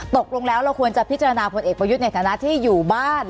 ตกลงแล้วเราควรจะพิจารณาผลเอกประยุทธ์ในฐานะที่อยู่บ้าน